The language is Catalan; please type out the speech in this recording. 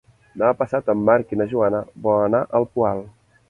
Demà passat en Marc i na Joana volen anar al Poal.